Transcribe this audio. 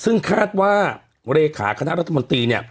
ซึ่งคาดว่าเลขาของข้างหน้ารัฐบันตรี